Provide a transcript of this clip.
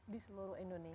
di seluruh indonesia